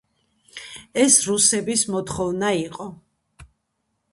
ეს რუსების მოთხოვნა იყო.